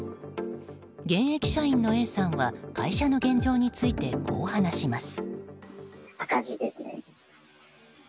現役社員のＡさんは会社の現状についてこう話します。